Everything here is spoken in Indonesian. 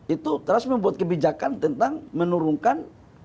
itu trust membuat kebijakan tentang menurunkan